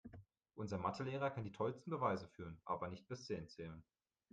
Unser Mathe-Lehrer kann die tollsten Beweise führen, aber nicht bis zehn zählen.